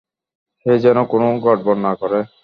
সে যেন কোনো গড়বড় না করে।